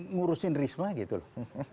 ngurusin risma gitu loh